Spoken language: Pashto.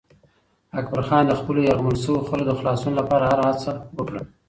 اکبرخان د خپلو یرغمل شویو خلکو د خلاصون لپاره هره هڅه وکړه.